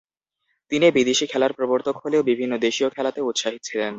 তিনি বিদেশী খেলার প্রবর্তক হলেও বিভিন্ন দেশীয় খেলাতেও উৎসাহী ছিলেন।